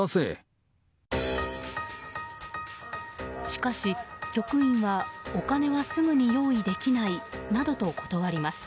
しかし、局員はお金はすぐに用意できないなどと断ります。